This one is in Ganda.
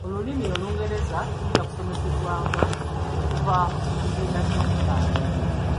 Olulimi Olungereza lujja kusomezebwanga okuva mu kibiina ekyokutaano.